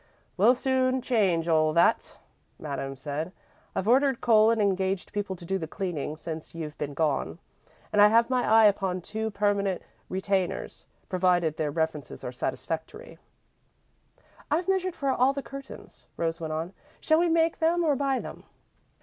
"We'll soon change all that," Madame said. "I've ordered coal and engaged people to do the cleaning since you've been gone, and I have my eye upon two permanent retainers, provided their references are satisfactory." "I've measured for all the curtains," Rose went on. "Shall we make them or buy them?"